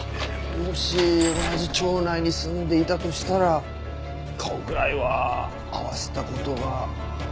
もし同じ町内に住んでいたとしたら顔くらいは合わせた事があったのかな。